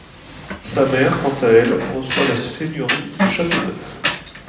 Sa mère quant à elle, reçoit la seigneurie de Châteauneuf.